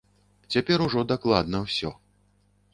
Цяпер ужо дакладна ўсё.